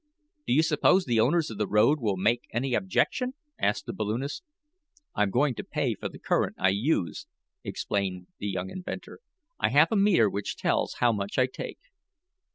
"Do you suppose the owners of the road will make any objection?" asked the balloonist. "I'm going to pay for the current I use," explained the young inventor. "I have a meter which tells how much I take."